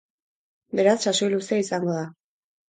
Beraz, sasoi luzea izango da.